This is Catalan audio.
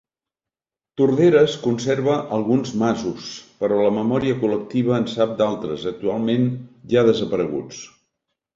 Torderes conserva alguns masos, però la memòria col·lectiva en sap d'altres, actualment ja desapareguts.